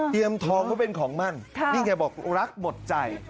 เตรียมทองเพราะเป็นของมั่นนี่แค่บอกรักหมดใจ